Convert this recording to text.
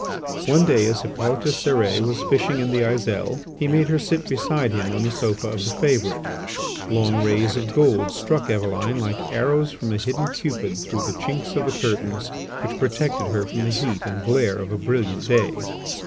One day as Hippolyte Cérès was fishing in the Aiselle, he made her sit beside him on the Sofa of the Favourite. Long rays of gold struck Eveline like arrows from a hidden Cupid through the chinks of the curtains which protected her from the heat and glare of a brilliant day.